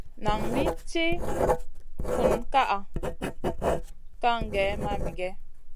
Nan min tiʼi funna kaʼa kaŋ gèh mamigèh?